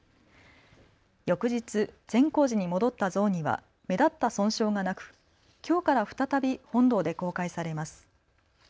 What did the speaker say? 翌日、善光寺に戻った像には目立った損傷がなくきょうから再び本堂で公開されます。